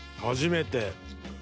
初めて。